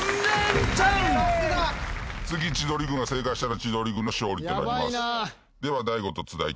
次千鳥軍が正解したら千鳥軍の勝利となります。